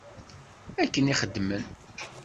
Akken i xedmen.